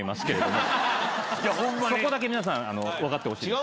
そこだけ皆さんわかってほしいです。